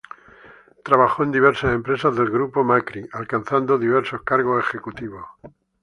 Trabajó en diversas empresas del Grupo Macri, alcanzando diversos cargos ejecutivos.